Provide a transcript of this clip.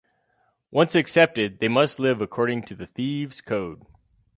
Once accepted they must live according to the thieves' code.